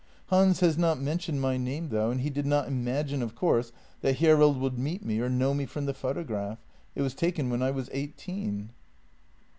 Hans had not mentioned my name, though, and he did not imagine, of course, that Hjerrild would meet me or know me from the photograph; it was taken when I was eighteen."